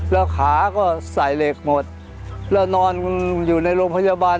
แล้วขาก็ใส่เหล็กหมดแล้วนอนอยู่ในโรงพยาบาล